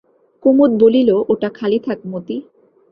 কুমুদ বলিল, ওটা খালি থাক মতি।